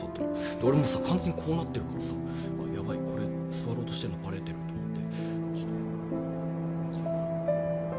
俺もう完全にこうなってるからさヤバいこれ座ろうとしてるのバレてると思って。